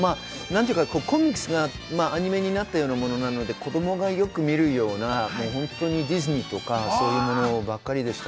コミックスがアニメになったようなものなので子供がよく見るようなディズニーとかそういうものばかりでした。